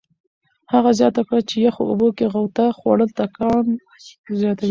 هغه زیاته کړه چې یخو اوبو کې غوطه خوړل ټکان زیاتوي.